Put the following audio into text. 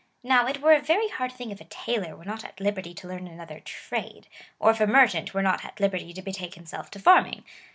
Now it were a very hard thing if a tailor* were not at liberty to learn another trade, or if a merchant were not at liberty to betake himself to forming.